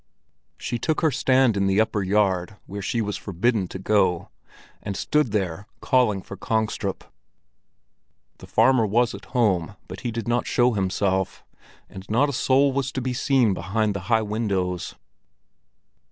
She took her stand in the upper yard, where she was forbidden to go, and stood there calling for Kongstrup. The farmer was at home, but did not show himself, and not a soul was to be seen behind the high windows.